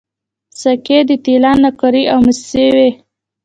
سکې د طلا نقرې او مسو وې